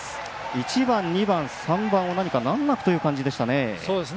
１番、２番、３番を何か難なくという感じでした。